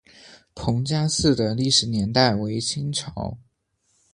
彭家祠的历史年代为清代。